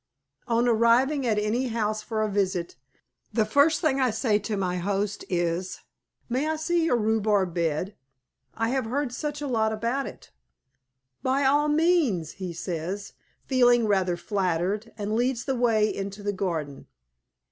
On arriving at any house for a visit, the first thing I say to my host is, "May I see your rhubarb bed? I have heard such a lot about it." "By all means," he says, feeling rather flattered, and leads the way into the garden.